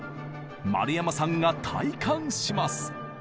丸山さんが体感します。